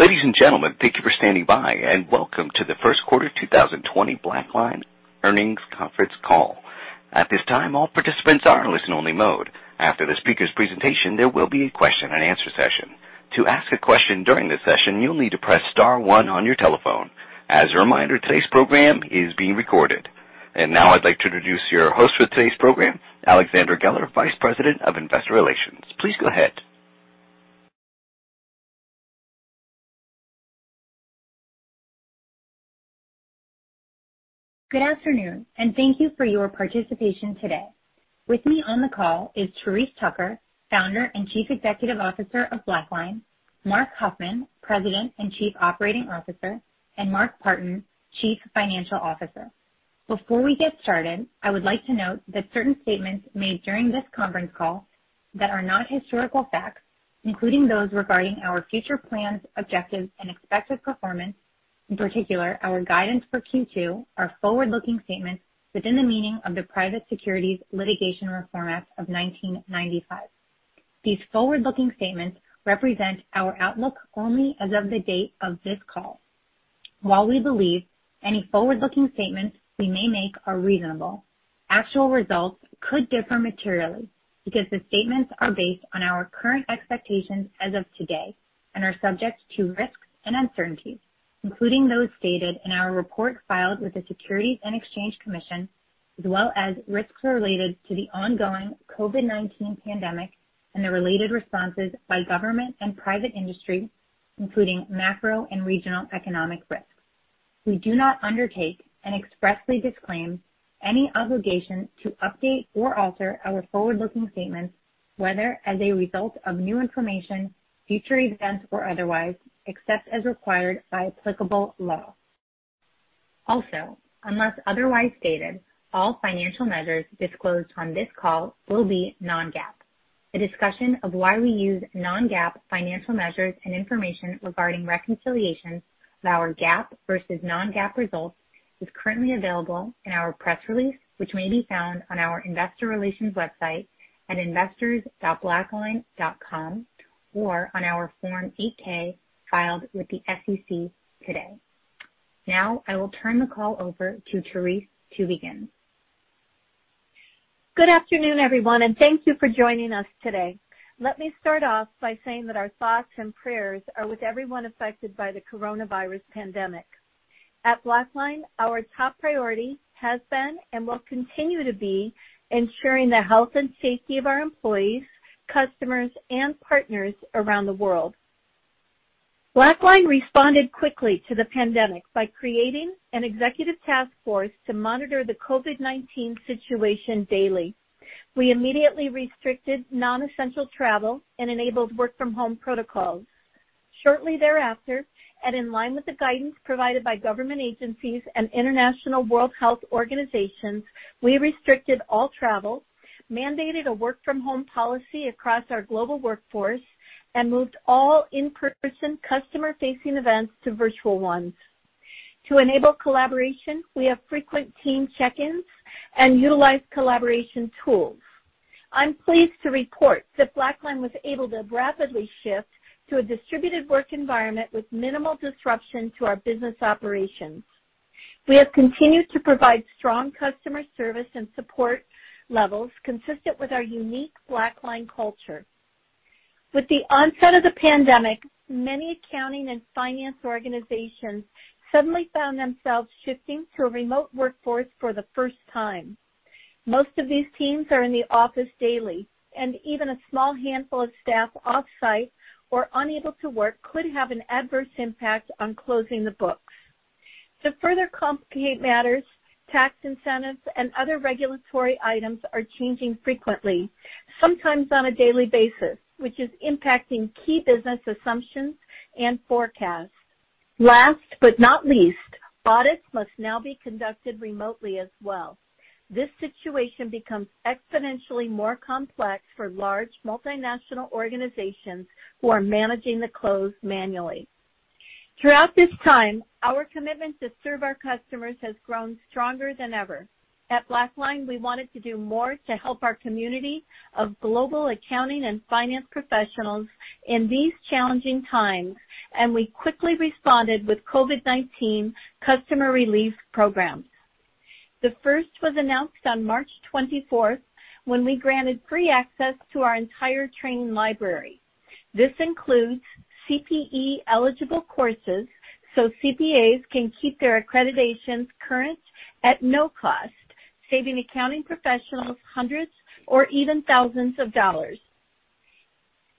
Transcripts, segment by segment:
Ladies and gentlemen, thank you for standing by, and welcome to the Q1 2020 BlackLine Earnings Conference Call. At this time, all participants are in listen-only mode. After the speaker's presentation, there will be a question-and-answer session. To ask a question during this session, you'll need to press star one on your telephone. As a reminder, today's program is being recorded. Now I'd like to introduce your host for today's program, Alexandra Geller, Vice President of Investor Relations. Please go ahead. Good afternoon, and thank you for your participation today. With me on the call is Therese Tucker, Founder and Chief Executive Officer of BlackLine, Marc Huffman, President and Chief Operating Officer, and Mark Partin, Chief Financial Officer. Before we get started, I would like to note that certain statements made during this conference call that are not historical facts, including those regarding our future plans, objectives, and expected performance, in particular our guidance for Q2, are forward-looking statements within the meaning of the Private Securities Litigation Reform Act of 1995. These forward-looking statements represent our outlook only as of the date of this call. While we believe any forward-looking statements we may make are reasonable, actual results could differ materially because the statements are based on our current expectations as of today and are subject to risks and uncertainties, including those stated in our report filed with the Securities and Exchange Commission, as well as risks related to the ongoing COVID-19 pandemic and the related responses by government and private industry, including macro and regional economic risks. We do not undertake and expressly disclaim any obligation to update or alter our forward-looking statements, whether as a result of new information, future events, or otherwise, except as required by applicable law. Also, unless otherwise stated, all financial measures disclosed on this call will be non-GAAP. A discussion of why we use non-GAAP financial measures and information regarding reconciliation of our GAAP versus non-GAAP results is currently available in our press release, which may be found on our investor relations website at investors.blackline.com or on our Form 8-K filed with the SEC today. Now, I will turn the call over to Therese to begin. Good afternoon, everyone, and thank you for joining us today. Let me start off by saying that our thoughts and prayers are with everyone affected by the coronavirus pandemic. At BlackLine, our top priority has been and will continue to be ensuring the health and safety of our employees, customers, and partners around the world. BlackLine responded quickly to the pandemic by creating an executive task force to monitor the COVID-19 situation daily. We immediately restricted non-essential travel and enabled work-from-home protocols. Shortly thereafter, and in line with the guidance provided by government agencies and international World Health Organization, we restricted all travel, mandated a work-from-home policy across our global workforce, and moved all in-person customer-facing events to virtual ones. To enable collaboration, we have frequent team check-ins and utilize collaboration tools. I'm pleased to report that BlackLine was able to rapidly shift to a distributed work environment with minimal disruption to our business operations. We have continued to provide strong customer service and support levels consistent with our unique BlackLine culture. With the onset of the pandemic, many accounting and finance organizations suddenly found themselves shifting to a remote workforce for the first time. Most of these teams are in the office daily, and even a small handful of staff offsite or unable to work could have an adverse impact on closing the books. To further complicate matters, tax incentives and other regulatory items are changing frequently, sometimes on a daily basis, which is impacting key business assumptions and forecasts. Last but not least, audits must now be conducted remotely as well. This situation becomes exponentially more complex for large multinational organizations who are managing the close manually. Throughout this time, our commitment to serve our customers has grown stronger than ever. At BlackLine, we wanted to do more to help our community of global accounting and finance professionals in these challenging times, and we quickly responded with COVID-19 customer relief programs. The first was announced on 24 March when we granted free access to our entire training library. This includes CPE-eligible courses so CPAs can keep their accreditations current at no cost, saving accounting professionals hundreds or even thousands of dollars.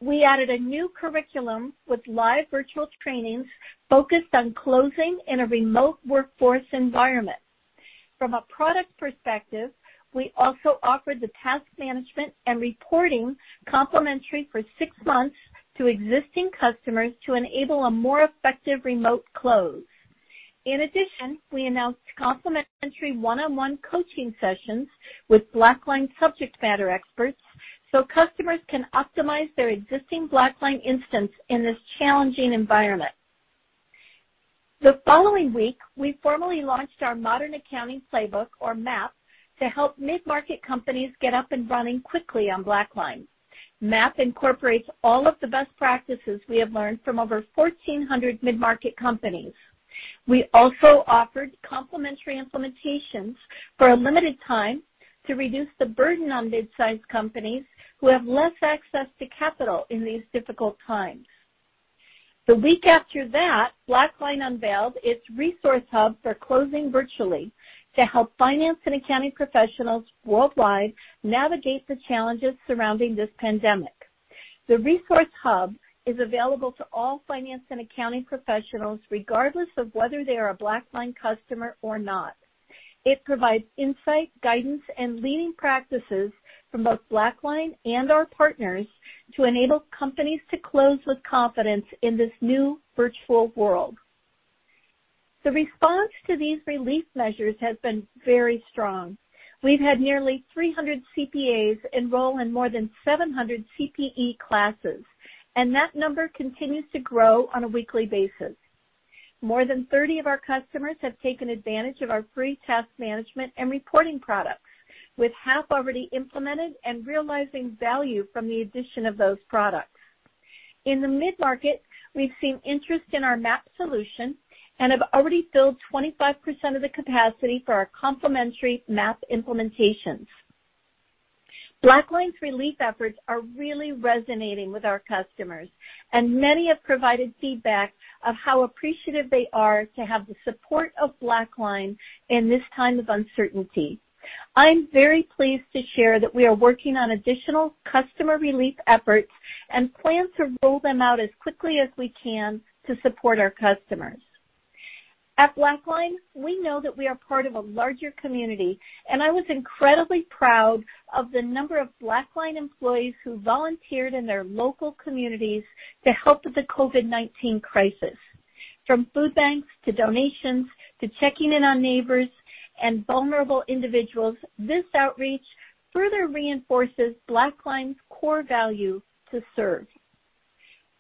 We added a new curriculum with live virtual trainings focused on closing in a remote workforce environment. From a product perspective, we also offered the Task Management and Reporting complimentary for six months to existing customers to enable a more effective remote close. In addition, we announced complimentary one-on-one coaching sessions with BlackLine subject matter experts so customers can optimize their existing BlackLine instance in this challenging environment. The following week, we formally launched our Modern Accounting Playbook, or MAP, to help mid-market companies get up and running quickly on BlackLine. MAP incorporates all of the best practices we have learned from over 1,400 mid-market companies. We also offered complimentary implementations for a limited time to reduce the burden on mid-sized companies who have less access to capital in these difficult times. The week after that, BlackLine unveiled its resource hub for closing virtually to help finance and accounting professionals worldwide navigate the challenges surrounding this pandemic. The resource hub is available to all finance and accounting professionals regardless of whether they are a BlackLine customer or not. It provides insight, guidance, and leading practices from both BlackLine and our partners to enable companies to close with confidence in this new virtual world. The response to these relief measures has been very strong. We've had nearly 300 CPAs enroll in more than 700 CPE classes, and that number continues to grow on a weekly basis. More than 30 of our customers have taken advantage of our free task management and reporting products, with half already implemented and realizing value from the addition of those products. In the mid-market, we've seen interest in our MAP solution and have already filled 25% of the capacity for our complimentary MAP implementations. BlackLine's relief efforts are really resonating with our customers, and many have provided feedback of how appreciative they are to have the support of BlackLine in this time of uncertainty. I'm very pleased to share that we are working on additional customer relief efforts and plan to roll them out as quickly as we can to support our customers. At BlackLine, we know that we are part of a larger community, and I was incredibly proud of the number of BlackLine employees who volunteered in their local communities to help with the COVID-19 crisis. From food banks to donations to checking in on neighbors and vulnerable individuals, this outreach further reinforces BlackLine's core value to serve.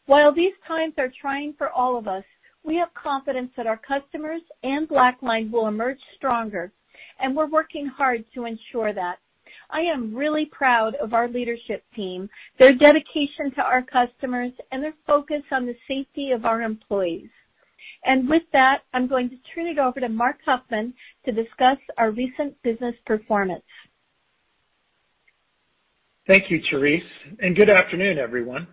While these times are trying for all of us, we have confidence that our customers and BlackLine will emerge stronger, and we're working hard to ensure that. I am really proud of our leadership team, their dedication to our customers, and their focus on the safety of our employees. With that, I'm going to turn it over to Marc Huffman to discuss our recent business performance. Thank you, Therese, and good afternoon, everyone.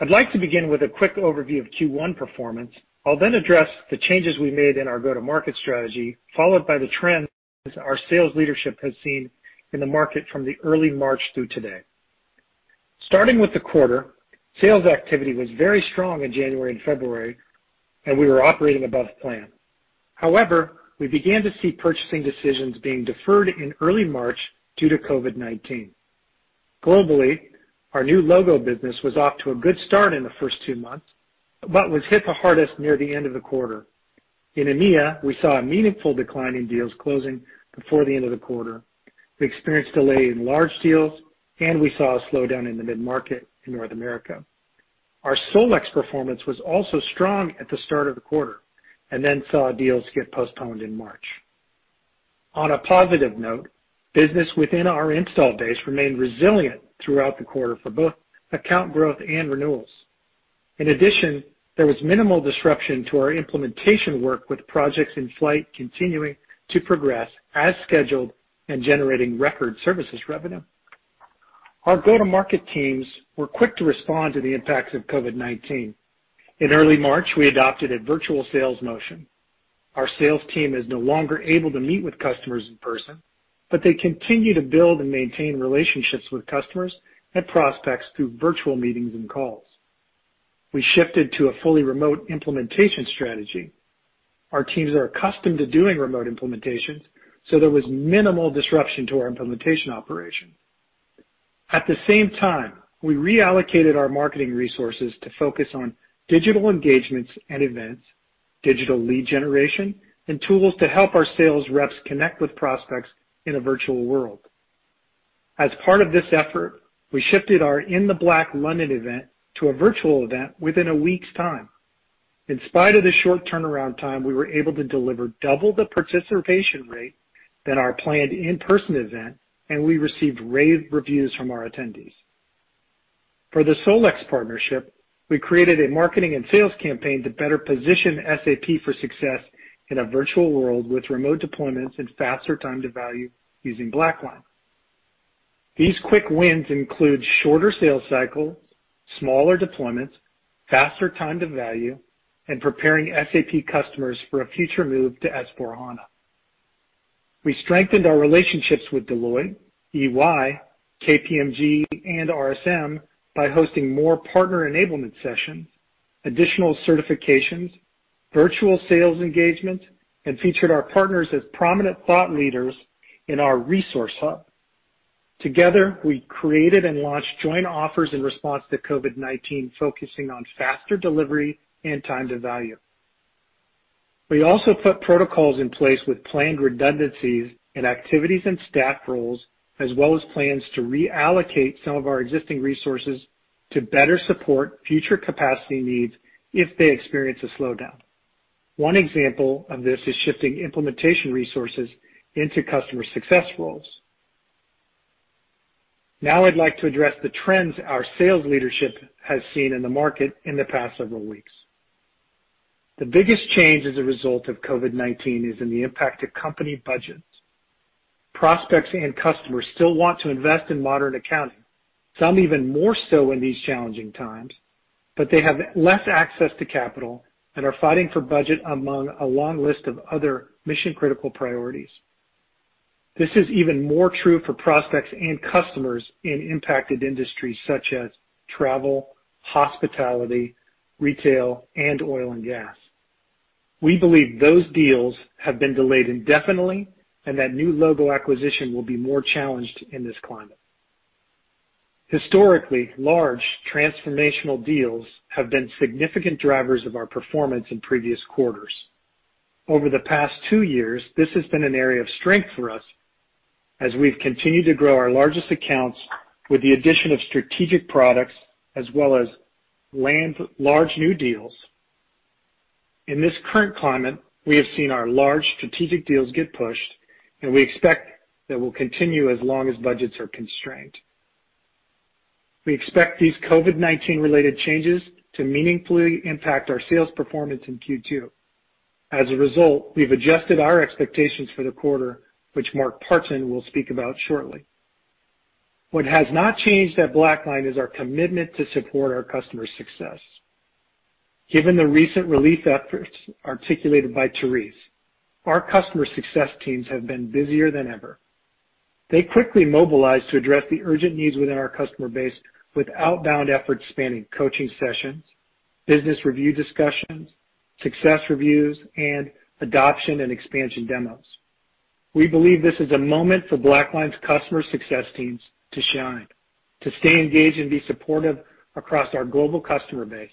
I'd like to begin with a quick overview of Q1 performance. I'll then address the changes we made in our go-to-market strategy, followed by the trends our sales leadership has seen in the market from early March through today. Starting with the quarter, sales activity was very strong in January and February, and we were operating above plan. However, we began to see purchasing decisions being deferred in early March due to COVID-19. Globally, our new logo business was off to a good start in the first two months but was hit the hardest near the end of the quarter. In EMEA, we saw a meaningful decline in deals closing before the end of the quarter. We experienced delay in large deals, and we saw a slowdown in the mid-market in North America. Our Solex performance was also strong at the start of the quarter and then saw deals get postponed in March. On a positive note, business within our install base remained resilient throughout the quarter for both account growth and renewals. In addition, there was minimal disruption to our implementation work with projects in flight continuing to progress as scheduled and generating record services revenue. Our go-to-market teams were quick to respond to the impacts of COVID-19. In early March, we adopted a virtual sales motion. Our sales team is no longer able to meet with customers in person, but they continue to build and maintain relationships with customers and prospects through virtual meetings and calls. We shifted to a fully remote implementation strategy. Our teams are accustomed to doing remote implementations, so there was minimal disruption to our implementation operation. At the same time, we reallocated our marketing resources to focus on digital engagements and events, digital lead generation, and tools to help our sales reps connect with prospects in a virtual world. As part of this effort, we shifted our In The Black London event to a virtual event within a week's time. In spite of the short turnaround time, we were able to deliver double the participation rate than our planned in-person event, and we received rave reviews from our attendees. For the Solex partnership, we created a marketing and sales campaign to better position SAP for success in a virtual world with remote deployments and faster time to value using BlackLine. These quick wins include shorter sales cycles, smaller deployments, faster time to value, and preparing SAP customers for a future move to S/4HANA. We strengthened our relationships with Deloitte, EY, KPMG, and RSM by hosting more partner enablement sessions, additional certifications, virtual sales engagements, and featured our partners as prominent thought leaders in our resource hub. Together, we created and launched joint offers in response to COVID-19, focusing on faster delivery and time to value. We also put protocols in place with planned redundancies in activities and staff roles, as well as plans to reallocate some of our existing resources to better support future capacity needs if they experience a slowdown. One example of this is shifting implementation resources into customer success roles. Now, I'd like to address the trends our sales leadership has seen in the market in the past several weeks. The biggest change as a result of COVID-19 is in the impact to company budgets. Prospects and customers still want to invest in modern accounting, some even more so in these challenging times, but they have less access to capital and are fighting for budget among a long list of other mission-critical priorities. This is even more true for prospects and customers in impacted industries such as travel, hospitality, retail, and oil and gas. We believe those deals have been delayed indefinitely and that new logo acquisition will be more challenged in this climate. Historically, large transformational deals have been significant drivers of our performance in previous quarters. Over the past two years, this has been an area of strength for us as we've continued to grow our largest accounts with the addition of strategic products as well as large new deals. In this current climate, we have seen our large strategic deals get pushed, and we expect that will continue as long as budgets are constrained. We expect these COVID-19-related changes to meaningfully impact our sales performance in Q2. As a result, we've adjusted our expectations for the quarter, which Mark Partin will speak about shortly. What has not changed at BlackLine is our commitment to support our customer success. Given the recent relief efforts articulated by Therese, our customer success teams have been busier than ever. They quickly mobilized to address the urgent needs within our customer base with outbound efforts spanning coaching sessions, business review discussions, success reviews, and adoption and expansion demos. We believe this is a moment for BlackLine's customer success teams to shine, to stay engaged, and be supportive across our global customer base.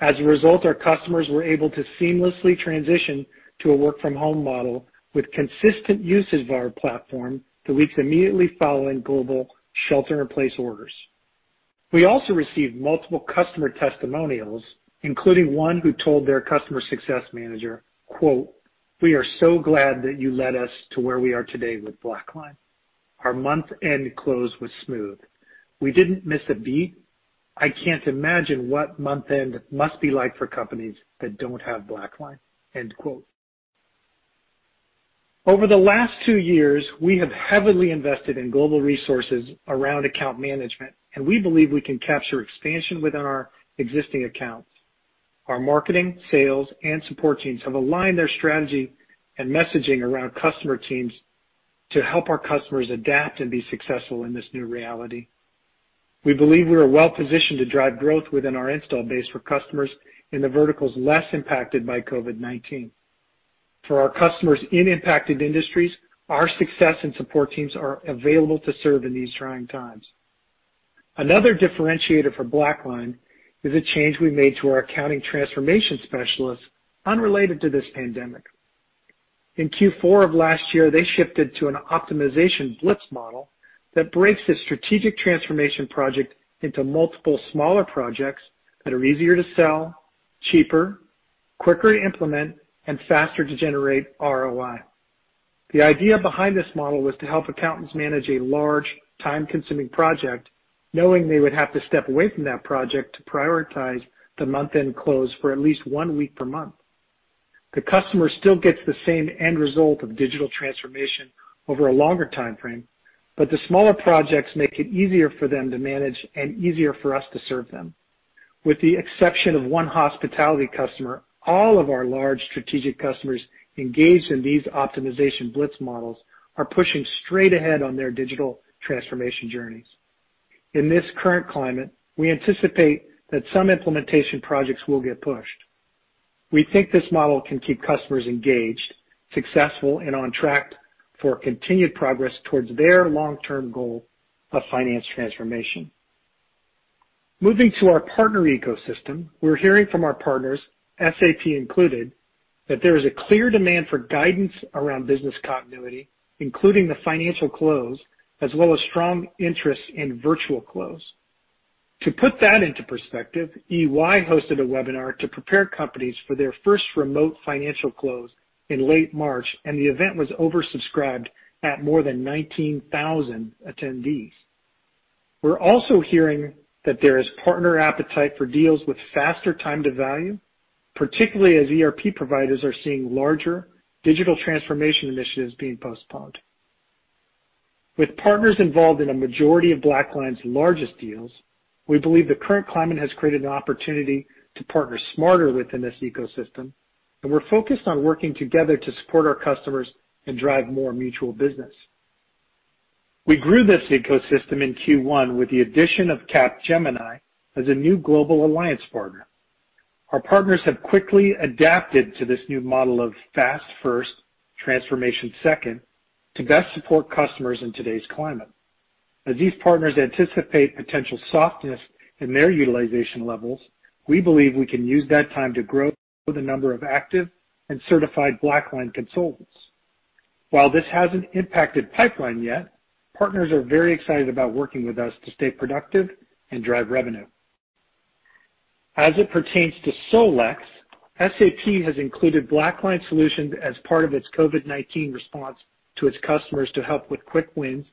As a result, our customers were able to seamlessly transition to a work-from-home model with consistent use of our platform the weeks immediately following global shelter-in-place orders. We also received multiple customer testimonials, including one who told their customer success manager, "We are so glad that you led us to where we are today with BlackLine. Our month-end close was smooth. We didn't miss a beat. I can't imagine what month-end must be like for companies that don't have BlackLine." Over the last two years, we have heavily invested in global resources around account management, and we believe we can capture expansion within our existing accounts. Our marketing, sales, and support teams have aligned their strategy and messaging around customer teams to help our customers adapt and be successful in this new reality. We believe we are well-positioned to drive growth within our install base for customers in the verticals less impacted by COVID-19. For our customers in impacted industries, our success and support teams are available to serve in these trying times. Another differentiator for BlackLine is a change we made to our accounting transformation specialists unrelated to this pandemic. In Q4 of last year, they shifted to an Optimization Blitz model that breaks the strategic transformation project into multiple smaller projects that are easier to sell, cheaper, quicker to implement, and faster to generate ROI. The idea behind this model was to help accountants manage a large, time-consuming project, knowing they would have to step away from that project to prioritize the month-end close for at least one week per month. The customer still gets the same end result of digital transformation over a longer time frame, but the smaller projects make it easier for them to manage and easier for us to serve them. With the exception of one hospitality customer, all of our large strategic customers engaged in these Optimization Blitz models are pushing straight ahead on their digital transformation journeys. In this current climate, we anticipate that some implementation projects will get pushed. We think this model can keep customers engaged, successful, and on track for continued progress towards their long-term goal of finance transformation. Moving to our partner ecosystem, we're hearing from our partners, SAP included, that there is a clear demand for guidance around business continuity, including the financial close, as well as strong interest in virtual close. To put that into perspective, EY hosted a webinar to prepare companies for their first remote financial close in late March, and the event was oversubscribed at more than 19,000 attendees. We're also hearing that there is partner appetite for deals with faster time to value, particularly as ERP providers are seeing larger digital transformation initiatives being postponed. With partners involved in a majority of BlackLine's largest deals, we believe the current climate has created an opportunity to partner smarter within this ecosystem, and we're focused on working together to support our customers and drive more mutual business. We grew this ecosystem in Q1 with the addition of Capgemini as a new global alliance partner. Our partners have quickly adapted to this new model of fast first, transformation second, to best support customers in today's climate. As these partners anticipate potential softness in their utilization levels, we believe we can use that time to grow the number of active and certified BlackLine consultants. While this has not impacted pipeline yet, partners are very excited about working with us to stay productive and drive revenue. As it pertains to Solex, SAP has included BlackLine Solutions as part of its COVID-19 response to its customers to help with quick wins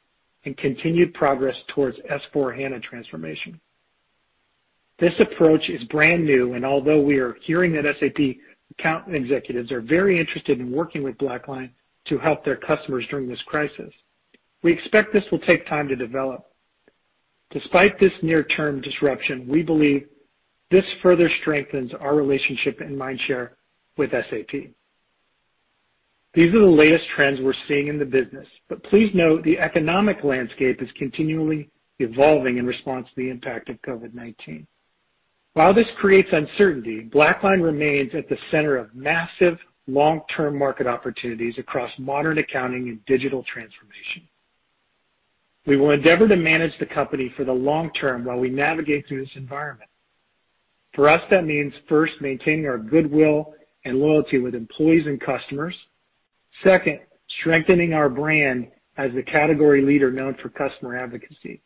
and continued progress towards S/4HANA transformation. This approach is brand new, and although we are hearing that SAP account executives are very interested in working with BlackLine to help their customers during this crisis, we expect this will take time to develop. Despite this near-term disruption, we believe this further strengthens our relationship and mind share with SAP. These are the latest trends we're seeing in the business, but please note the economic landscape is continually evolving in response to the impact of COVID-19. While this creates uncertainty, BlackLine remains at the center of massive long-term market opportunities across modern accounting and digital transformation. We will endeavor to manage the company for the long term while we navigate through this environment. For us, that means first maintaining our goodwill and loyalty with employees and customers. Second, strengthening our brand as the category leader known for customer advocacy.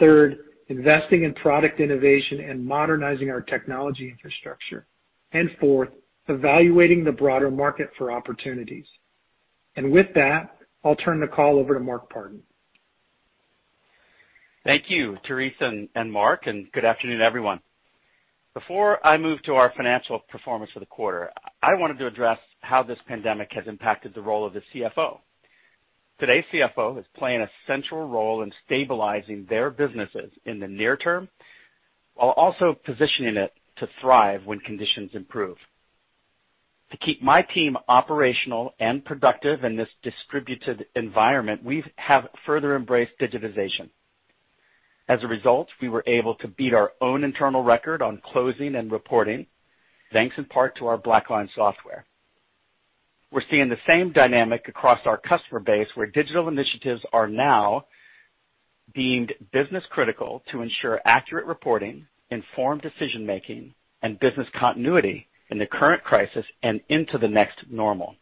Third, investing in product innovation and modernizing our technology infrastructure. Fourth, evaluating the broader market for opportunities. With that, I'll turn the call over to Mark Partin. Thank you, Therese and Marc, and good afternoon, everyone. Before I move to our financial performance of the quarter, I wanted to address how this pandemic has impacted the role of the CFO. Today's CFO is playing a central role in stabilizing their businesses in the near term while also positioning it to thrive when conditions improve. To keep my team operational and productive in this distributed environment, we have further embraced digitization. As a result, we were able to beat our own internal record on closing and reporting, thanks in part to our BlackLine software. We're seeing the same dynamic across our customer base where digital initiatives are now deemed business-critical to ensure accurate reporting, informed decision-making, and business continuity in the current crisis and into the next normal.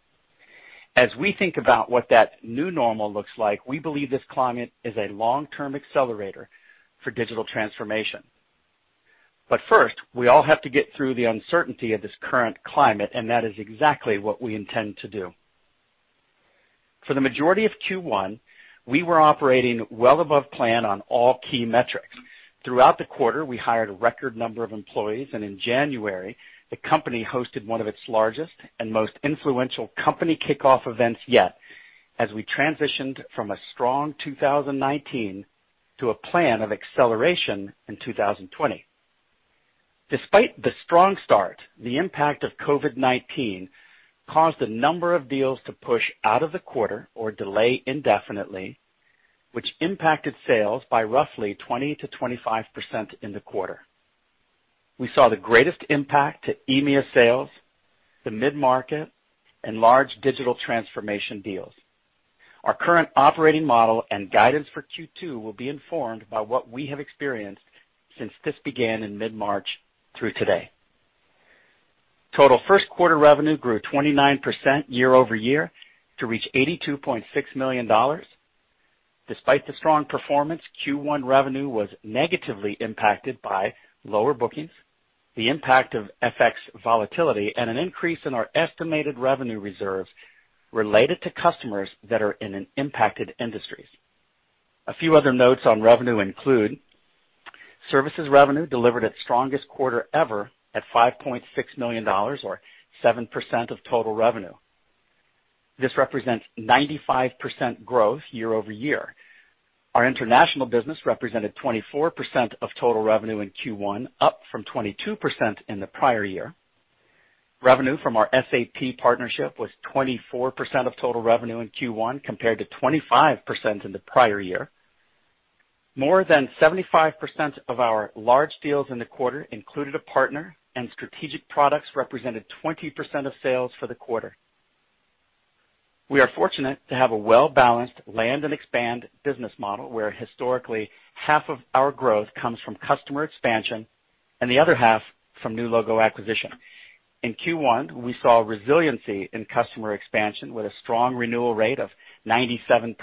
As we think about what that new normal looks like, we believe this climate is a long-term accelerator for digital transformation. First, we all have to get through the uncertainty of this current climate, and that is exactly what we intend to do. For the majority of Q1, we were operating well above plan on all key metrics. Throughout the quarter, we hired a record number of employees, and in January, the company hosted one of its largest and most influential company kickoff events yet as we transitioned from a strong 2019 to a plan of acceleration in 2020. Despite the strong start, the impact of COVID-19 caused a number of deals to push out of the quarter or delay indefinitely, which impacted sales by roughly 20% to 25% in the quarter. We saw the greatest impact to EMEA sales, the mid-market, and large digital transformation deals. Our current operating model and guidance for Q2 will be informed by what we have experienced since this began in mid-March through today. Total Q1 revenue grew 29% year over year to reach $82.6 million. Despite the strong performance, Q1 revenue was negatively impacted by lower bookings, the impact of FX volatility, and an increase in our estimated revenue reserves related to customers that are in impacted industries. A few other notes on revenue include services revenue delivered its strongest quarter ever at $5.6 million, or 7% of total revenue. This represents 95% growth year over year. Our international business represented 24% of total revenue in Q1, up from 22% in the prior year. Revenue from our SAP partnership was 24% of total revenue in Q1 compared to 25% in the prior year. More than 75% of our large deals in the quarter included a partner, and strategic products represented 20% of sales for the quarter. We are fortunate to have a well-balanced land-and-expand business model where historically half of our growth comes from customer expansion and the other half from new logo acquisition. In Q1, we saw resiliency in customer expansion with a strong renewal rate of 97%,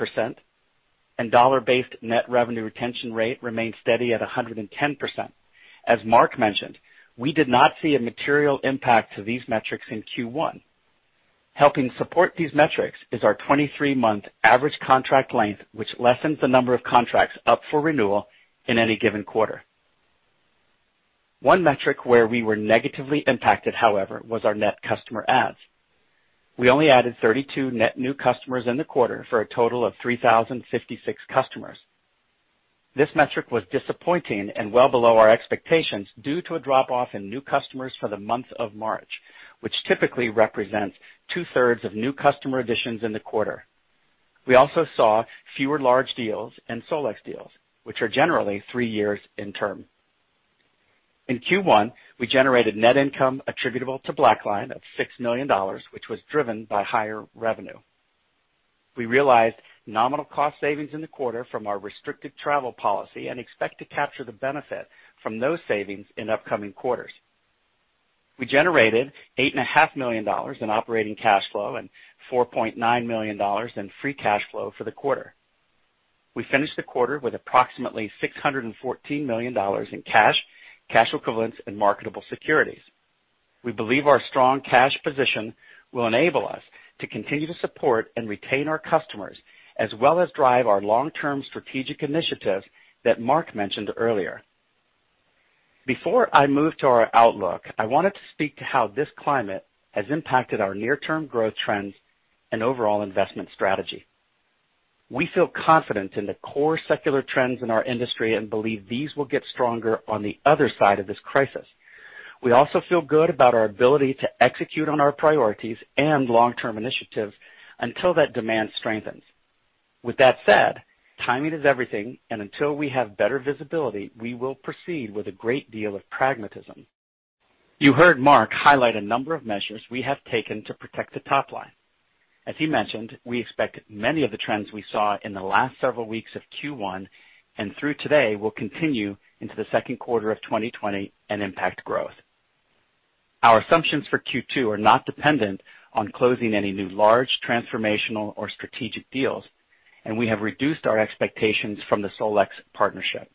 and dollar-based net revenue retention rate remained steady at 110%. As Marc mentioned, we did not see a material impact to these metrics in Q1. Helping support these metrics is our 23-month average contract length, which lessens the number of contracts up for renewal in any given quarter. One metric where we were negatively impacted, however, was our net customer adds. We only added 32 net new customers in the quarter for a total of 3,056 customers. This metric was disappointing and well below our expectations due to a drop-off in new customers for the month of March, which typically represents two-thirds of new customer additions in the quarter. We also saw fewer large deals and Solex deals, which are generally three years in term. In Q1, we generated net income attributable to BlackLine at $6 million, which was driven by higher revenue. We realized nominal cost savings in the quarter from our restricted travel policy and expect to capture the benefit from those savings in upcoming quarters. We generated $8.5 million in operating cash flow and $4.9 million in free cash flow for the quarter. We finished the quarter with approximately $614 million in cash, cash equivalents, and marketable securities. We believe our strong cash position will enable us to continue to support and retain our customers, as well as drive our long-term strategic initiatives that Marc mentioned earlier. Before I move to our outlook, I wanted to speak to how this climate has impacted our near-term growth trends and overall investment strategy. We feel confident in the core secular trends in our industry and believe these will get stronger on the other side of this crisis. We also feel good about our ability to execute on our priorities and long-term initiatives until that demand strengthens. With that said, timing is everything, and until we have better visibility, we will proceed with a great deal of pragmatism. You heard Marc highlight a number of measures we have taken to protect the top line. As he mentioned, we expect many of the trends we saw in the last several weeks of Q1 and through today will continue into the Q2 of 2020 and impact growth. Our assumptions for Q2 are not dependent on closing any new large transformational or strategic deals, and we have reduced our expectations from the Solex partnership.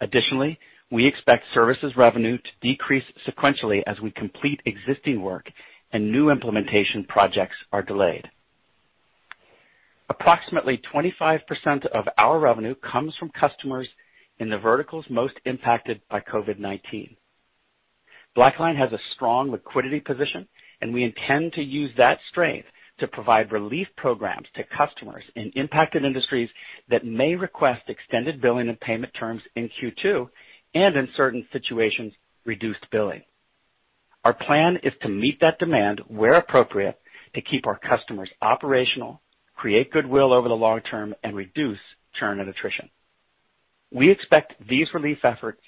Additionally, we expect services revenue to decrease sequentially as we complete existing work and new implementation projects are delayed. Approximately 25% of our revenue comes from customers in the verticals most impacted by COVID-19. BlackLine has a strong liquidity position, and we intend to use that strength to provide relief programs to customers in impacted industries that may request extended billing and payment terms in Q2 and, in certain situations, reduced billing. Our plan is to meet that demand where appropriate to keep our customers operational, create goodwill over the long term, and reduce churn and attrition. We expect these relief efforts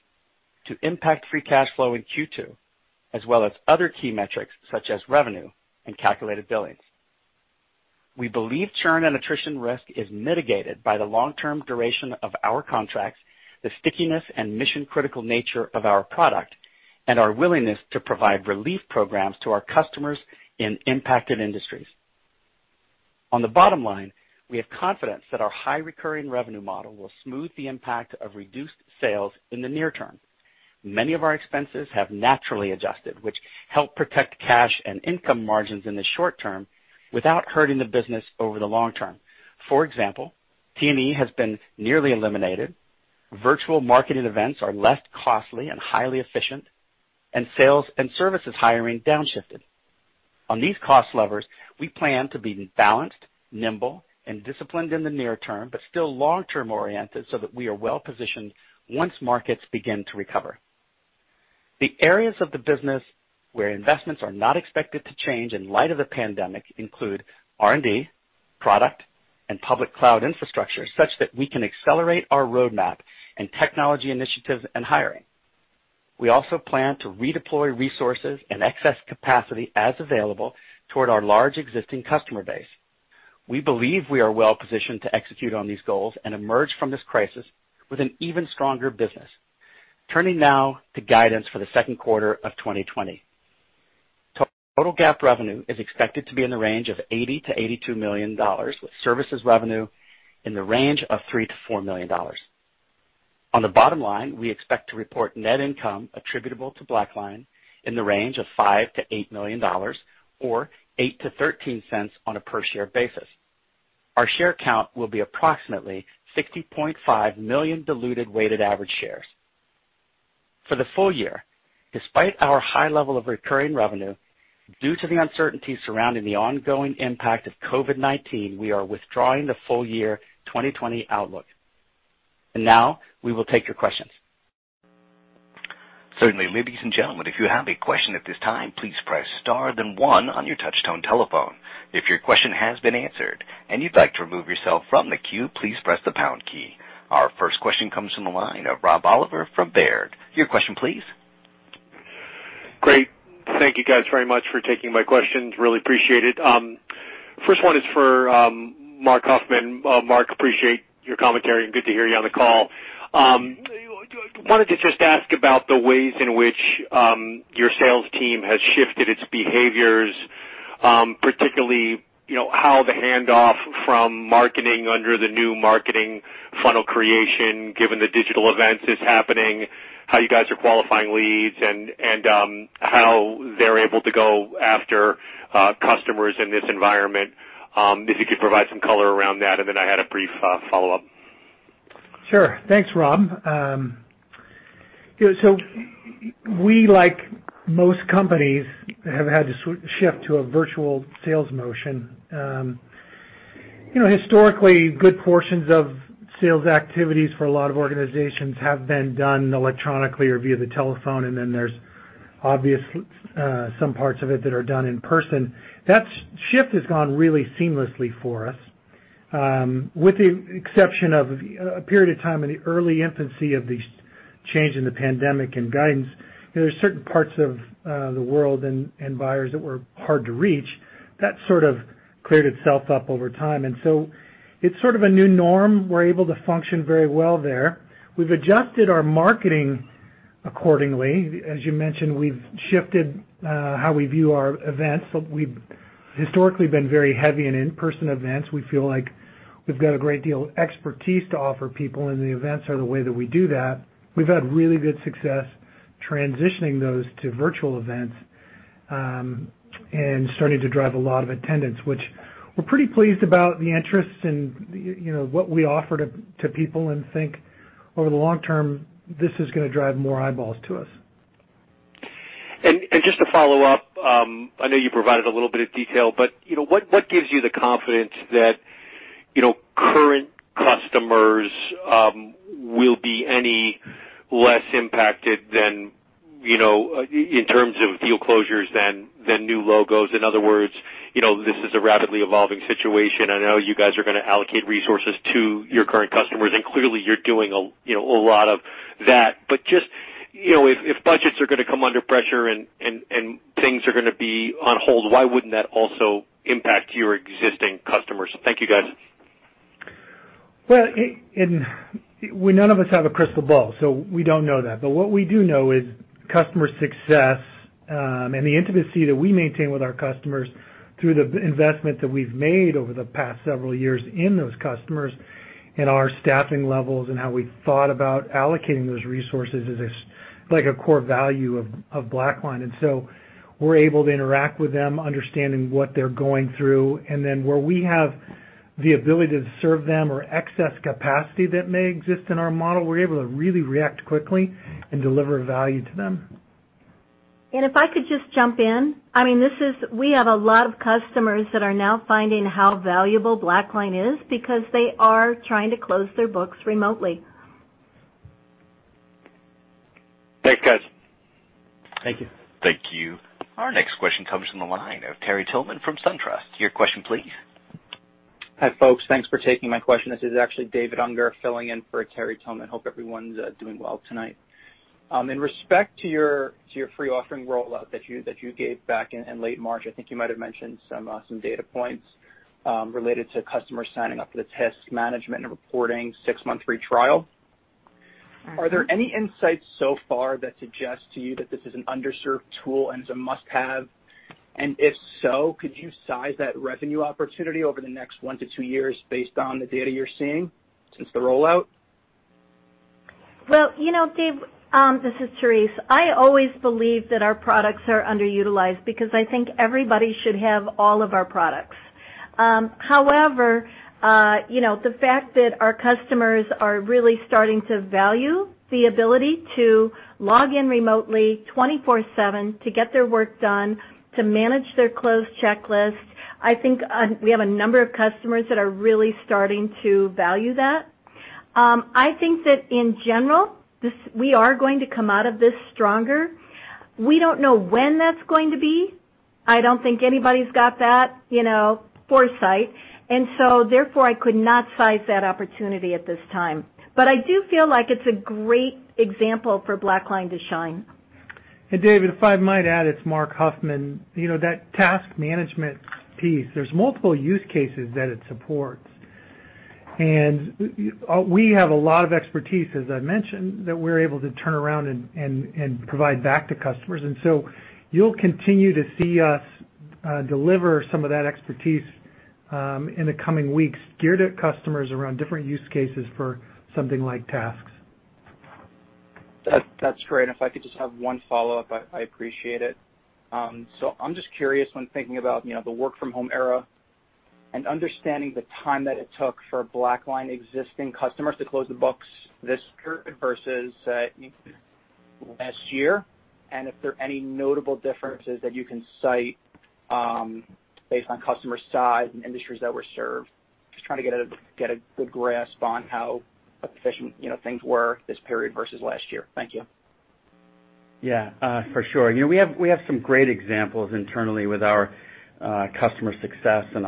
to impact free cash flow in Q2, as well as other key metrics such as revenue and calculated billings. We believe churn and attrition risk is mitigated by the long-term duration of our contracts, the stickiness and mission-critical nature of our product, and our willingness to provide relief programs to our customers in impacted industries. On the bottom line, we have confidence that our high recurring revenue model will smooth the impact of reduced sales in the near term. Many of our expenses have naturally adjusted, which help protect cash and income margins in the short term without hurting the business over the long term. For example, T&E has been nearly eliminated, virtual marketing events are less costly and highly efficient, and sales and services hiring downshifted. On these cost levers, we plan to be balanced, nimble, and disciplined in the near term, but still long-term oriented so that we are well positioned once markets begin to recover. The areas of the business where investments are not expected to change in light of the pandemic include R&D, product, and public cloud infrastructure such that we can accelerate our roadmap and technology initiatives and hiring. We also plan to redeploy resources and excess capacity as available toward our large existing customer base. We believe we are well positioned to execute on these goals and emerge from this crisis with an even stronger business. Turning now to guidance for the Q2 of 2020, total GAAP revenue is expected to be in the range of $80 to 82 million, with services revenue in the range of $3 to 4 million. On the bottom line, we expect to report net income attributable to BlackLine in the range of $5 to 8 million, or $0.08 to 0.13 on a per-share basis. Our share count will be approximately 60.5 million diluted weighted average shares. For the full year, despite our high level of recurring revenue, due to the uncertainty surrounding the ongoing impact of COVID-19, we are withdrawing the full year 2020 outlook. Certainly, ladies and gentlemen, if you have a question at this time, please press star then one on your touch-tone telephone. If your question has been answered and you'd like to remove yourself from the queue, please press the pound key. Our first question comes from the line of Rob Oliver from Baird. Your question, please. Great. Thank you guys very much for taking my questions. Really appreciate it. First one is for Marc Huffman. Marc, appreciate your commentary and good to hear you on the call. Wanted to just ask about the ways in which your sales team has shifted its behaviors, particularly how the handoff from marketing under the new marketing funnel creation, given the digital events is happening, how you guys are qualifying leads, and how they're able to go after customers in this environment. If you could provide some color around that, and then I had a brief follow-up. Sure. Thanks, Rob. We, like most companies, have had to shift to a virtual sales motion. Historically, good portions of sales activities for a lot of organizations have been done electronically or via the telephone, and then there is obviously some parts of it that are done in person. That shift has gone really seamlessly for us. With the exception of a period of time in the early infancy of these changes in the pandemic and guidance, there are certain parts of the world and buyers that were hard to reach. That sort of cleared itself up over time. It is sort of a new norm. We are able to function very well there. We have adjusted our marketing accordingly. As you mentioned, we have shifted how we view our events. We have historically been very heavy in in-person events. We feel like we have got a great deal of expertise to offer people, and the events are the way that we do that. We've had really good success transitioning those to virtual events and starting to drive a lot of attendance, which we're pretty pleased about the interest and what we offer to people and think over the long term, this is going to drive more eyeballs to us. Just to follow up, I know you provided a little bit of detail, but what gives you the confidence that current customers will be any less impacted in terms of deal closures than new logos? In other words, this is a rapidly evolving situation. I know you guys are going to allocate resources to your current customers, and clearly you're doing a lot of that. Just if budgets are going to come under pressure and things are going to be on hold, why wouldn't that also impact your existing customers? Thank you, guys. None of us have a crystal ball, so we do not know that. What we do know is customer success and the intimacy that we maintain with our customers through the investments that we have made over the past several years in those customers and our staffing levels and how we thought about allocating those resources is like a core value of BlackLine. We are able to interact with them, understanding what they are going through, and where we have the ability to serve them or excess capacity that may exist in our model, we are able to really react quickly and deliver value to them. If I could just jump in, I mean, we have a lot of customers that are now finding how valuable BlackLine is because they are trying to close their books remotely. Thanks, guys. Thank you. Thank you. Our next question comes from the line of Terry Tillman from SunTrust. Your question, please. Hi, folks. Thanks for taking my question. This is actually David Unger filling in for Terry Tillman. Hope everyone's doing well tonight. In respect to your free offering rollout that you gave back in late March, I think you might have mentioned some data points related to customers signing up for the Task Management and Reporting six-month free trial. Are there any insights so far that suggest to you that this is an underserved tool and is a must-have? If so, could you size that revenue opportunity over the next one to two years based on the data you're seeing since the rollout? You know, Dave, this is Therese. I always believe that our products are underutilized because I think everybody should have all of our products. However, the fact that our customers are really starting to value the ability to log in remotely 24/7 to get their work done, to manage their close checklist, I think we have a number of customers that are really starting to value that. I think that in general, we are going to come out of this stronger. We do not know when that is going to be. I do not think anybody's got that foresight. Therefore, I could not size that opportunity at this time. I do feel like it is a great example for BlackLine to shine. David, if I might add, it is Marc Huffman, that task management piece. There are multiple use cases that it supports. We have a lot of expertise, as I mentioned, that we are able to turn around and provide back to customers. You will continue to see us deliver some of that expertise in the coming weeks geared at customers around different use cases for something like tasks. That's great. If I could just have one follow-up, I appreciate it. I am just curious when thinking about the work-from-home era and understanding the time that it took for BlackLine existing customers to close the books this year versus last year, and if there are any notable differences that you can cite based on customer size and industries that were served, just trying to get a good grasp on how efficient things were this period versus last year. Thank you. Yeah, for sure. We have some great examples internally with our customer success and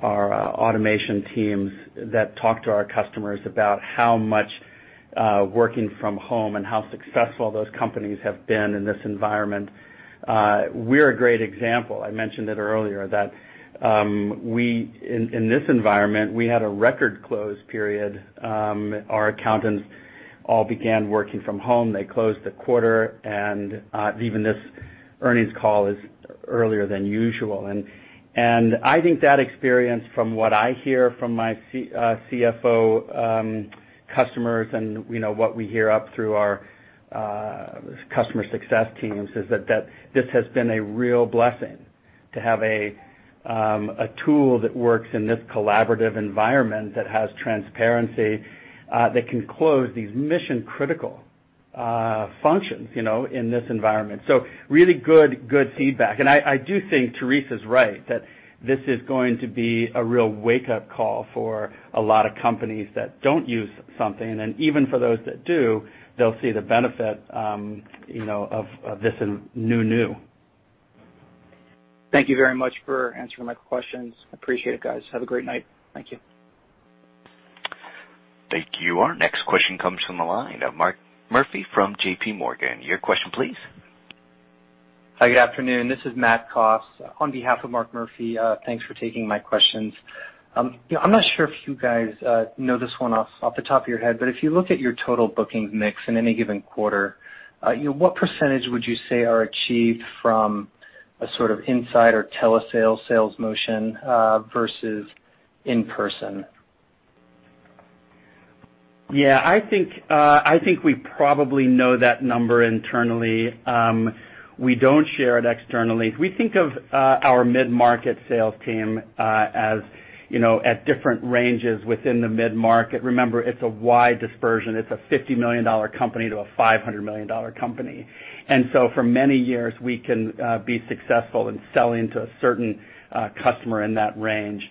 our automation teams that talk to our customers about how much working from home and how successful those companies have been in this environment. We're a great example. I mentioned it earlier that in this environment, we had a record close period. Our accountants all began working from home. They closed the quarter, and even this earnings call is earlier than usual. I think that experience from what I hear from my CFO customers and what we hear up through our customer success teams is that this has been a real blessing to have a tool that works in this collaborative environment that has transparency, that can close these mission-critical functions in this environment. Really good feedback. I do think Therese is right that this is going to be a real wake-up call for a lot of companies that do not use something. Even for those that do, they'll see the benefit of this in new new. Thank you very much for answering my questions. Appreciate it, guys. Have a great night. Thank you. Thank you. Our next question comes from the line of Mark Murphy from JPMorgan. Your question, please. Hi, good afternoon. This is Matt Cost on behalf of Mark Murphy. Thanks for taking my questions. I'm not sure if you guys know this one off the top of your head, but if you look at your total booking mix in any given quarter, what percentage would you say are achieved from a sort of inside or telesale sales motion versus in person? I think we probably know that number internally. We don't share it externally. We think of our mid-market sales team as at different ranges within the mid-market. Remember, it's a wide dispersion. It's a $50 million company to a $500 million company. For many years, we can be successful in selling to a certain customer in that range.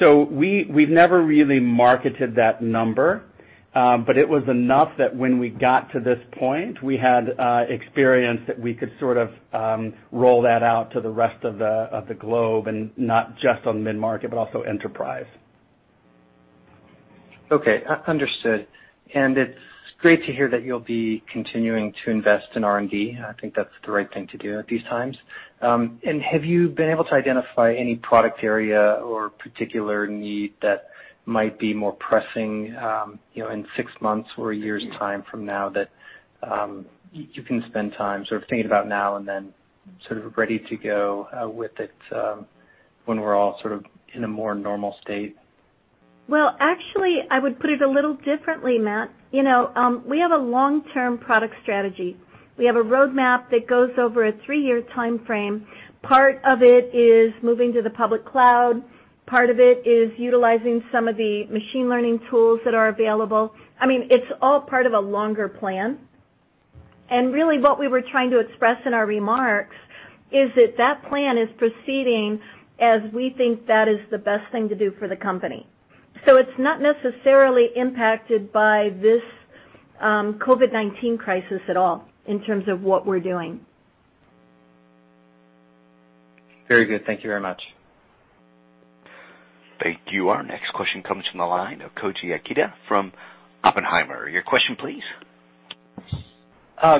We have never really marketed that number, but it was enough that when we got to this point, we had experience that we could sort of roll that out to the rest of the globe and not just on the mid-market, but also enterprise. Okay. Understood. It is great to hear that you'll be continuing to invest in R&D. I think that's the right thing to do at these times. Have you been able to identify any product area or particular need that might be more pressing in six months or a year's time from now that you can spend time sort of thinking about now and then sort of ready to go with it when we're all sort of in a more normal state? Actually, I would put it a little differently, Matt. We have a long-term product strategy. We have a roadmap that goes over a three-year time frame. Part of it is moving to the public cloud. Part of it is utilizing some of the machine learning tools that are available. I mean, it's all part of a longer plan. Really, what we were trying to express in our remarks is that that plan is proceeding as we think that is the best thing to do for the company. It is not necessarily impacted by this COVID-19 crisis at all in terms of what we're doing. Very good. Thank you very much. Thank you. Our next question comes from the line of Koji Ikeda from Oppenheimer. Your question, please.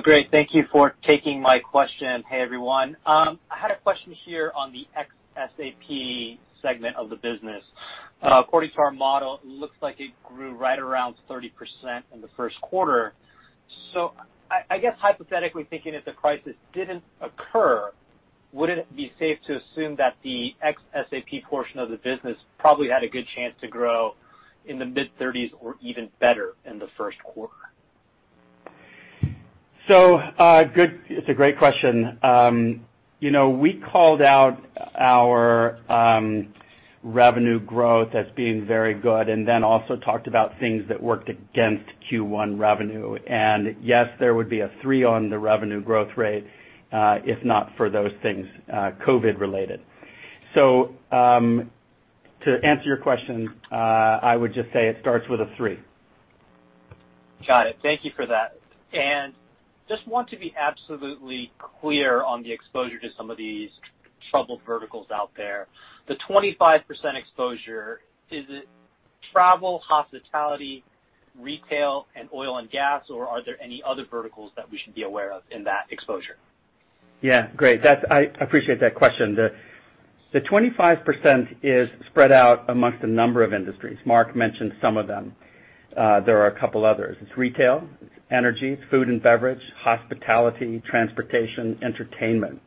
Great. Thank you for taking my question. Hey, everyone. I had a question here on the ex-SAP segment of the business. According to our model, it looks like it grew right around 30% in the Q1. I guess hypothetically, thinking if the crisis didn't occur, wouldn't it be safe to assume that the ex-SAP portion of the business probably had a good chance to grow in the mid-30s or even better in the Q1? It's a great question. We called out our revenue growth as being very good and then also talked about things that worked against Q1 revenue. Yes, there would be a three on the revenue growth rate if not for those things COVID-related. To answer your question, I would just say it starts with a three. Got it. Thank you for that. Just want to be absolutely clear on the exposure to some of these troubled verticals out there. The 25% exposure, is it travel, hospitality, retail, and oil and gas, or are there any other verticals that we should be aware of in that exposure? Yeah. Great. I appreciate that question. The 25% is spread out amongst a number of industries. Mark mentioned some of them. There are a couple others. It's retail, it's energy, it's food and beverage, hospitality, transportation, entertainment.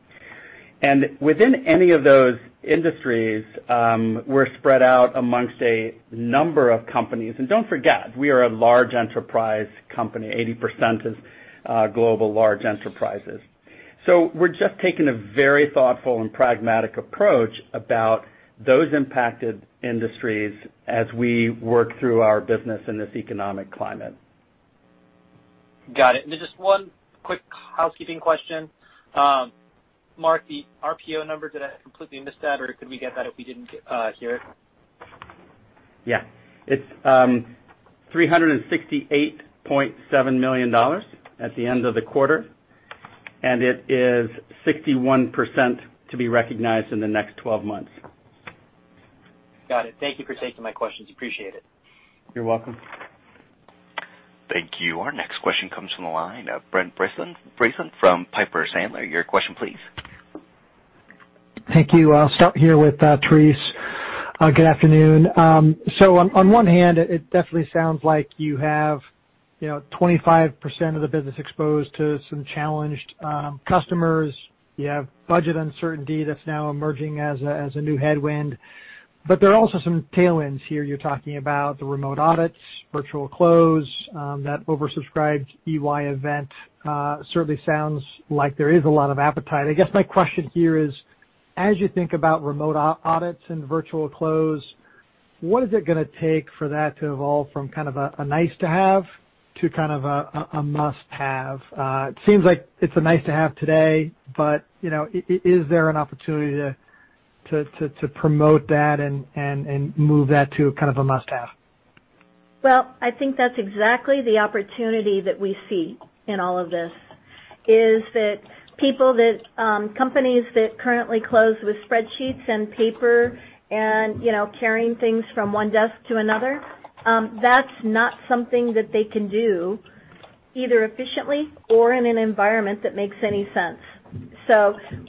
Within any of those industries, we're spread out amongst a number of companies. Do not forget, we are a large enterprise company. 80% is global large enterprises. We are just taking a very thoughtful and pragmatic approach about those impacted industries as we work through our business in this economic climate. Got it. One quick housekeeping question. Marc, the RPO number, did I completely miss that, or could we get that if we did not hear it? Yeah. It's $368.7 million at the end of the quarter, and it is 61% to be recognized in the next 12 months. Got it. Thank you for taking my questions. Appreciate it. You're welcome. Thank you. Our next question comes from the line of Brent Bracelin from Piper Sandler. Your question, please. Thank you. I'll start here with Therese. Good afternoon. On one hand, it definitely sounds like you have 25% of the business exposed to some challenged customers. You have budget uncertainty that's now emerging as a new headwind. There are also some tailwinds here. You're talking about the remote audits, virtual close, that oversubscribed EY event. Certainly sounds like there is a lot of appetite. I guess my question here is, as you think about remote audits and virtual close, what is it going to take for that to evolve from kind of a nice-to-have to kind of a must-have? It seems like it's a nice-to-have today, but is there an opportunity to promote that and move that to kind of a must-have? I think that's exactly the opportunity that we see in all of this, is that people, companies that currently close with spreadsheets and paper and carrying things from one desk to another, that's not something that they can do either efficiently or in an environment that makes any sense.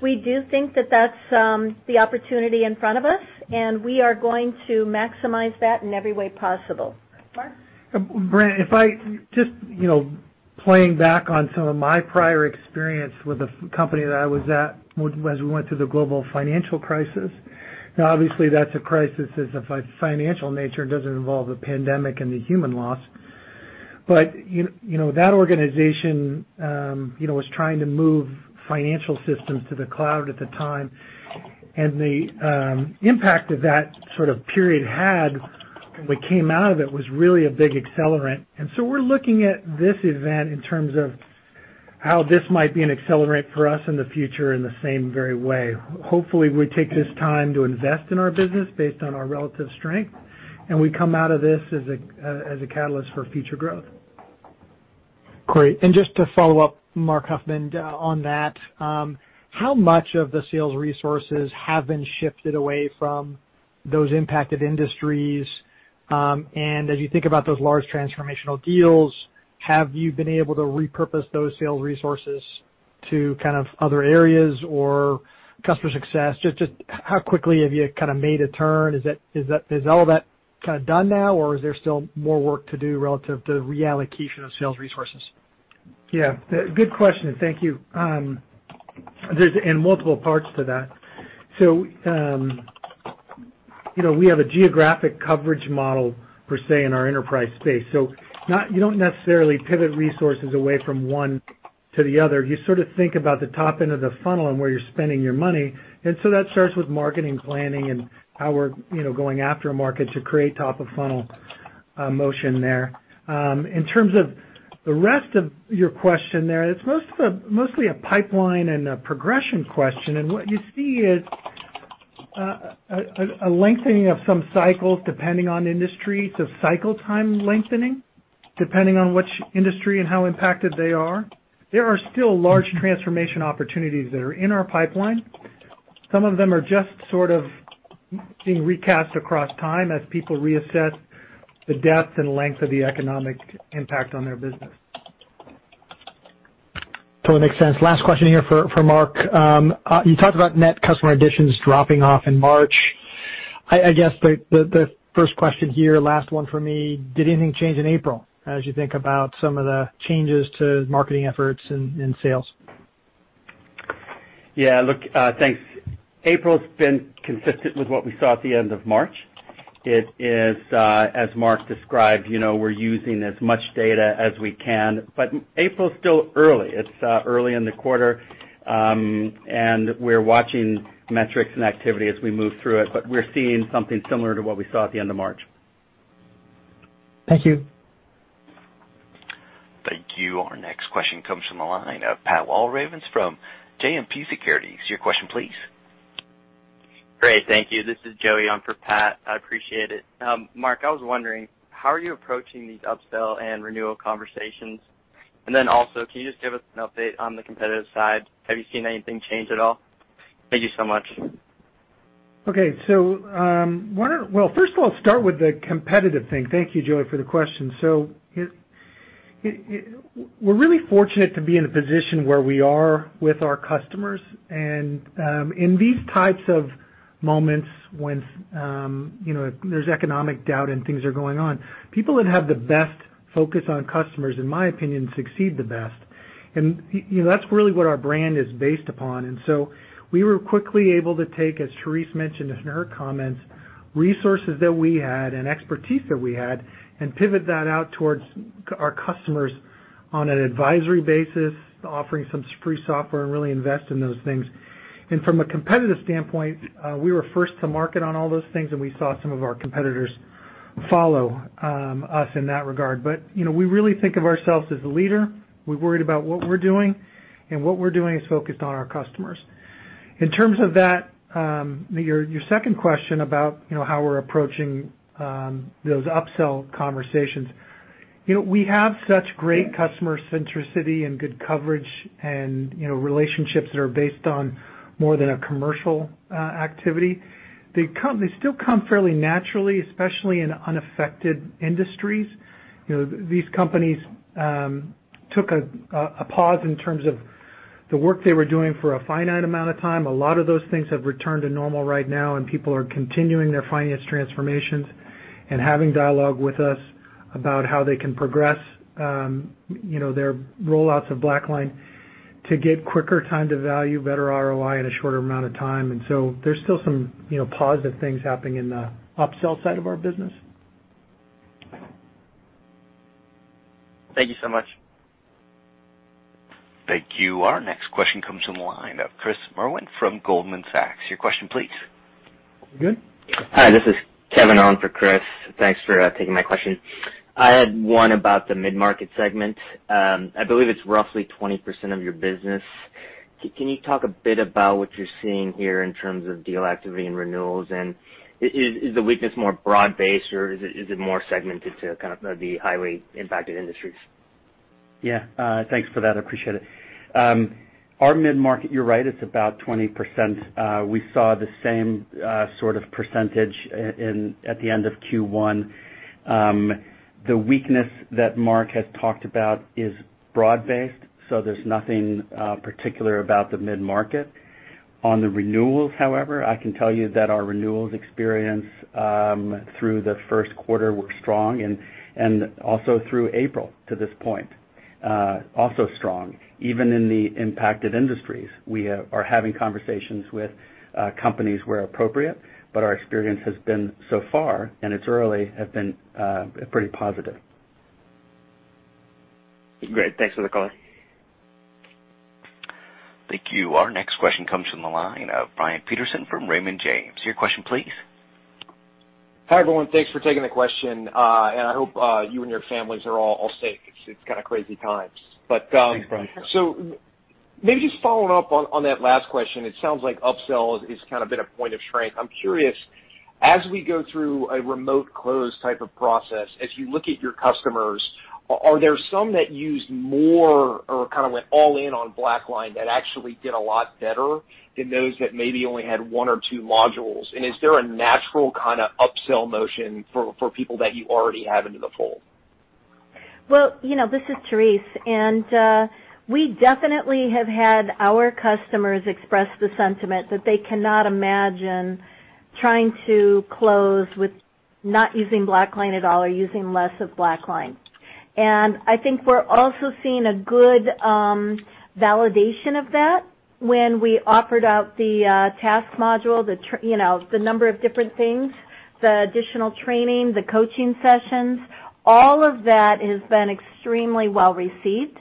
We do think that that's the opportunity in front of us, and we are going to maximize that in every way possible. Marc? Brent, if I just play back on some of my prior experience with the company that I was at as we went through the global financial crisis, obviously that's a crisis of a financial nature. It doesn't involve the pandemic and the human loss. That organization, we were trying to move financial systems to the cloud at the time. The impact that that sort of period had when we came out of it was really a big accelerant. We are looking at this event in terms of how this might be an accelerant for us in the future in the same very way. Hopefully, we take this time to invest in our business based on our relative strength, and we come out of this as a catalyst for future growth. Great. Just to follow up, Marc Huffman, on that, how much of the sales resources have been shifted away from those impacted industries? As you think about those large transformational deals, have you been able to repurpose those sales resources to other areas or customer success? How quickly have you made a turn? Is all that kind of done now, or is there still more work to do relative to the reallocation of sales resources? Yeah. Good question. Thank you. There's multiple parts to that. We have a geographic coverage model per se in our enterprise space. You do not necessarily pivot resources away from one to the other. You sort of think about the top end of the funnel and where you're spending your money. That starts with marketing planning and how we're going after a market to create top-of-funnel motion there. In terms of the rest of your question, it's mostly a pipeline and a progression question. What you see is a lengthening of some cycles depending on industry, so cycle time lengthening, depending on which industry and how impacted they are. There are still large transformation opportunities that are in our pipeline. Some of them are just sort of being recast across time as people reassess the depth and length of the economic impact on their business. Totally makes sense. Last question here for Mark. You talked about net customer additions dropping off in March. I guess the first question here, last one for me, did anything change in April as you think about some of the changes to marketing efforts and sales? Yeah. Look, thanks. April has been consistent with what we saw at the end of March. It is, as Marc described, we're using as much data as we can. April is still early. It's early in the quarter, and we're watching metrics and activity as we move through it. We're seeing something similar to what we saw at the end of March. Thank you. Thank you. Our next question comes from the line of Pat Walravens from JMP Securities. Your question, please. Great. Thank you. This is Joe on for Pat. I appreciate it. Marc, I was wondering, how are you approaching these upsell and renewal conversations? And then also, can you just give us an update on the competitive side? Have you seen anything change at all? Thank you so much. Okay. First of all, I'll start with the competitive thing. Thank you, Joe, for the question. We're really fortunate to be in a position where we are with our customers. In these types of moments, when there's economic doubt and things are going on, people that have the best focus on customers, in my opinion, succeed the best. That's really what our brand is based upon. We were quickly able to take, as Therese mentioned in her comments, resources that we had and expertise that we had, and pivot that out towards our customers on an advisory basis, offering some free software and really invest in those things. From a competitive standpoint, we were first to market on all those things, and we saw some of our competitors follow us in that regard. We really think of ourselves as a leader. We're worried about what we're doing, and what we're doing is focused on our customers. In terms of that, your second question about how we're approaching those upsell conversations, we have such great customer centricity and good coverage and relationships that are based on more than a commercial activity. They still come fairly naturally, especially in unaffected industries. These companies took a pause in terms of the work they were doing for a finite amount of time. A lot of those things have returned to normal right now, and people are continuing their finance transformations and having dialogue with us about how they can progress their rollouts of BlackLine to get quicker time to value, better ROI in a shorter amount of time. There are still some positive things happening in the upsell side of our business. Thank you so much. Thank you. Our next question comes from the line of Chris Merwin from Goldman Sachs. Your question, please. Hi. This is Kevin on for Chris. Thanks for taking my question. I had one about the mid-market segment. I believe it's roughly 20% of your business. Can you talk a bit about what you're seeing here in terms of deal activity and renewals? Is the weakness more broad-based, or is it more segmented to kind of the highly impacted industries? Yeah. Thanks for that. I appreciate it. Our mid-market, you're right, it's about 20%. We saw the same sort of percentage at the end of Q1. The weakness that Marc has talked about is broad-based, so there's nothing particular about the mid-market. On the renewals, however, I can tell you that our renewals experience through the Q1 was strong and also through April to this point, also strong. Even in the impacted industries, we are having conversations with companies where appropriate, but our experience has been so far, and it's early, has been pretty positive. Great. Thanks for the call. Thank you. Our next question comes from the line of Brian Peterson from Raymond James. Your question, please. Hi, everyone. Thanks for taking the question. I hope you and your families are all safe. It's kind of crazy times. Maybe just following up on that last question, it sounds like upsell has kind of been a point of strength. I'm curious, as we go through a remote close type of process, as you look at your customers, are there some that used more or kind of went all in on BlackLine that actually did a lot better than those that maybe only had one or two modules? Is there a natural kind of upsell motion for people that you already have into the fold? This is Therese, and we definitely have had our customers express the sentiment that they cannot imagine trying to close with not using BlackLine at all or using less of BlackLine. I think we're also seeing a good validation of that when we offered out the task module, the number of different things, the additional training, the coaching sessions. All of that has been extremely well received.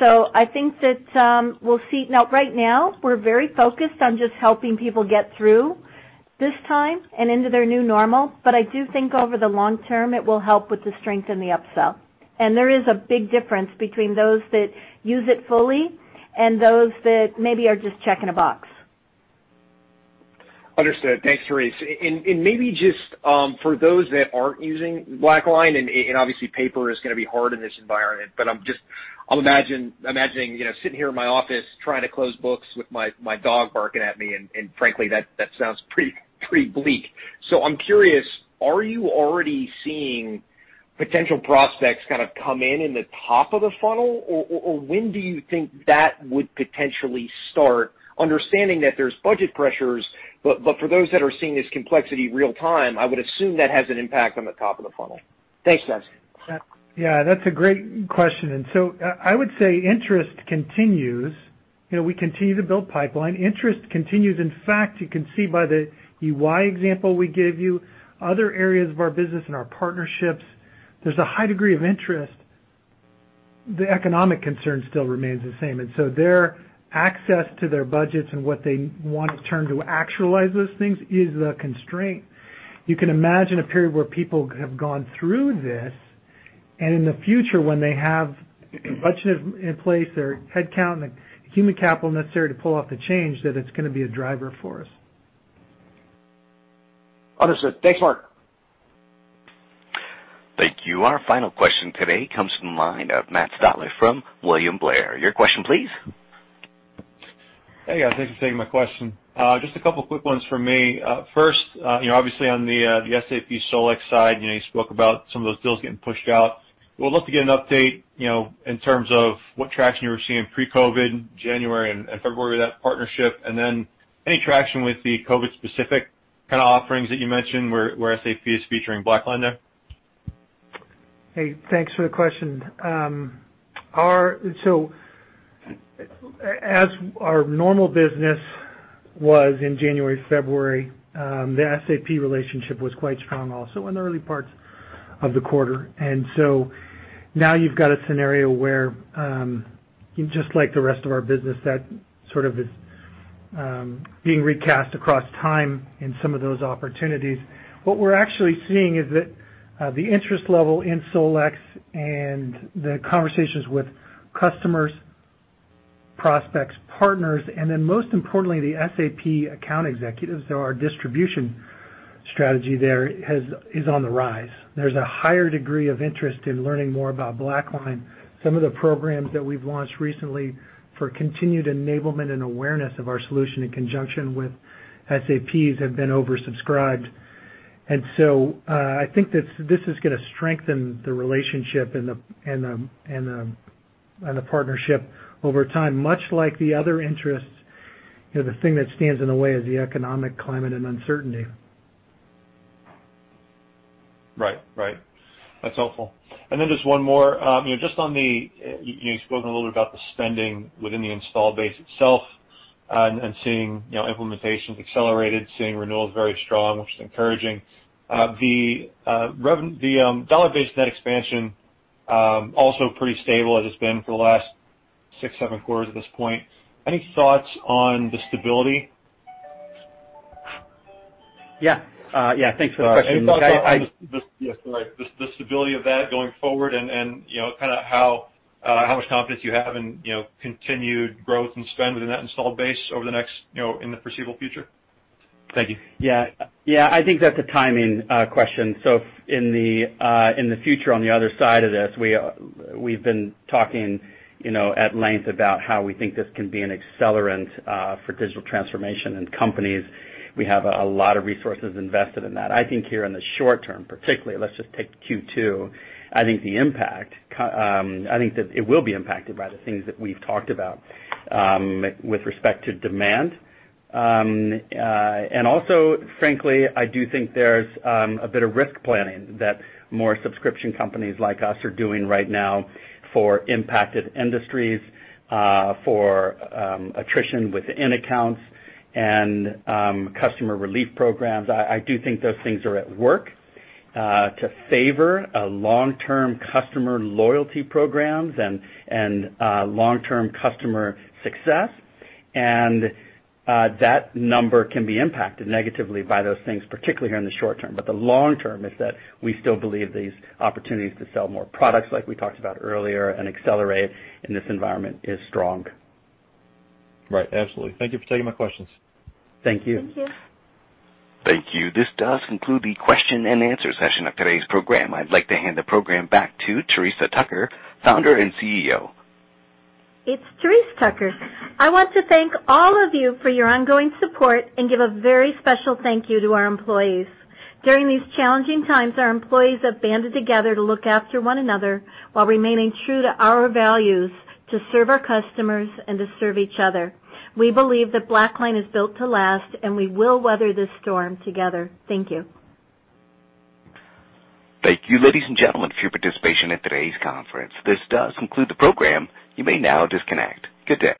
I think that we'll see. Right now, we're very focused on just helping people get through this time and into their new normal. I do think over the long term, it will help with the strength and the upsell. There is a big difference between those that use it fully and those that maybe are just checking a box. Understood. Thanks, Therese. Maybe just for those that aren't using BlackLine, and obviously, paper is going to be hard in this environment, but I'm imagining sitting here in my office trying to close books with my dog barking at me. Frankly, that sounds pretty bleak. I'm curious, are you already seeing potential prospects kind of come in in the top of the funnel, or when do you think that would potentially start? Understanding that there's budget pressures, but for those that are seeing this complexity real time, I would assume that has an impact on the top of the funnel. Thanks, guys. Yeah. That's a great question. I would say interest continues. We continue to build pipeline. Interest continues. In fact, you can see by the EY example we gave you, other areas of our business and our partnerships, there's a high degree of interest. The economic concern still remains the same. Their access to their budgets and what they want to turn to actualize those things is the constraint. You can imagine a period where people have gone through this, and in the future, when they have budget in place, their headcount, and the human capital necessary to pull off the change, that it's going to be a driver for us. Understood. Thanks, Mark. Thank you. Our final question today comes from the line of Matt Stotler from William Blair. Your question, please. Hey, guys. Thanks for taking my question. Just a couple of quick ones for me. First, obviously, on the SAP Solex side, you spoke about some of those deals getting pushed out. We'd love to get an update in terms of what traction you were seeing pre-COVID, January and February with that partnership, and then any traction with the COVID-specific kind of offerings that you mentioned where SAP is featuring BlackLine there? Hey, thanks for the question. As our normal business was in January, February, the SAP relationship was quite strong also in the early parts of the quarter. Now you have a scenario where, just like the rest of our business, that sort of is being recast across time in some of those opportunities. What we are actually seeing is that the interest level in Solex and the conversations with customers, prospects, partners, and then most importantly, the SAP account executives, our distribution strategy there is on the rise. There is a higher degree of interest in learning more about BlackLine. Some of the programs that we have launched recently for continued enablement and awareness of our solution in conjunction with SAP's have been oversubscribed. I think this is going to strengthen the relationship and the partnership over time, much like the other interests. The thing that stands in the way is the economic climate and uncertainty. Right. That's helpful. Just one more. Just on the you've spoken a little bit about the spending within the installed base itself and seeing implementation accelerated, seeing renewals very strong, which is encouraging. The dollar-based net expansion also pretty stable as it's been for the last six, seven quarters at this point. Any thoughts on the stability? Yeah. Thanks for the question. Any thoughts on the stability of that going forward and kind of how much confidence you have in continued growth and spend within that installed base over the next in the foreseeable future? Thank you. Yeah. I think that's a timing question.In the future, on the other side of this, we've been talking at length about how we think this can be an accelerant for digital transformation and companies. We have a lot of resources invested in that. I think here in the short term, particularly, let's just take Q2, I think the impact, I think that it will be impacted by the things that we've talked about with respect to demand. Also, frankly, I do think there's a bit of risk planning that more subscription companies like us are doing right now for impacted industries, for attrition within accounts, and customer relief programs. I do think those things are at work to favor long-term customer loyalty programs and long-term customer success. That number can be impacted negatively by those things, particularly here in the short term. The long term is that we still believe these opportunities to sell more products, like we talked about earlier, and accelerate in this environment is strong. Right. Absolutely. Thank you for taking my questions. Thank you. Thank you. Thank you. This does conclude the question and answer session of today's program. I'd like to hand the program back to Therese Tucker, founder and CEO. It's Therese Tucker. I want to thank all of you for your ongoing support and give a very special thank you to our employees. During these challenging times, our employees have banded together to look after one another while remaining true to our values to serve our customers and to serve each other. We believe that BlackLine is built to last, and we will weather this storm together. Thank you. Thank you, ladies and gentlemen, for your participation in today's conference. This does conclude the program. You may now disconnect. Good day.